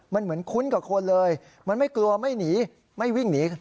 มันเหมือนคุ้นกับคนเลยมันไม่กลัวไม่หนีไม่วิ่งหนี